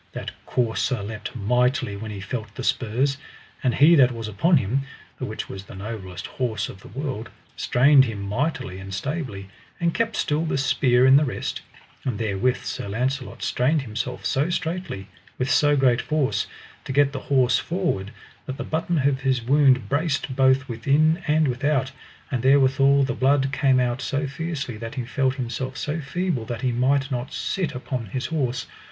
That courser leapt mightily when he felt the spurs; and he that was upon him, the which was the noblest horse of the world, strained him mightily and stably, and kept still the spear in the rest; and therewith Sir Launcelot strained himself so straitly, with so great force, to get the horse forward, that the button of his wound brast both within and without; and therewithal the blood came out so fiercely that he felt himself so feeble that he might not sit upon his horse.